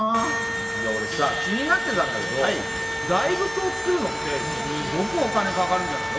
いやおれさ気になってたんだけど大仏を造るのってすごくお金かかるんじゃないの？